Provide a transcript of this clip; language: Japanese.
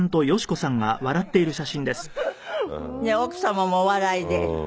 奥様もお笑いで。